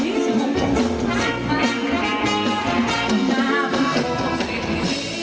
เหล่าโกรธนาธารธรรมคุมตีนดูให้ลืม